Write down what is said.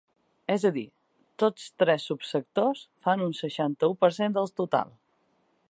És a dir, tots tres subsectors fan un seixanta-u per cent del total.